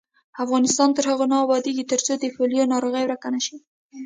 افغانستان تر هغو نه ابادیږي، ترڅو د پولیو ناروغي ورکه نشي.